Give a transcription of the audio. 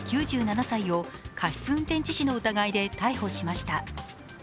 ９７歳を過失運転致死の疑いで逮捕しました。